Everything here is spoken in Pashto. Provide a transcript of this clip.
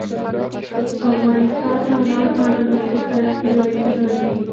افغانستان د انار په اړه مشهور تاریخی روایتونه لري.